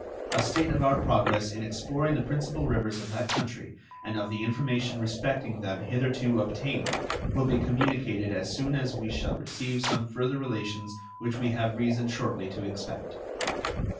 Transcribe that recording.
A state of our progress in exploring the principal rivers of that country, and of the information respecting them hitherto obtained, will be communicated as soon as we shall receive some further relations which we have reason shortly to expect.